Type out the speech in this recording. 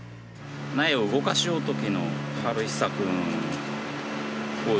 苗を動かしよるときのハルヒサくん。